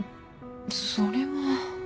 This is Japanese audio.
それは。